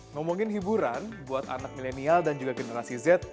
ngomongin hiburan buat anak milenial dan juga generasi z